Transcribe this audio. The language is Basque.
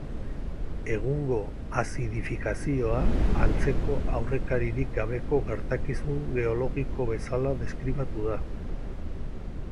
Egungo azidifikazioa antzeko aurrekaririk gabeko gertakizun geologiko bezala deskribatu da.